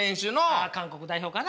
ああ韓国代表かな？